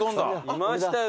いましたよ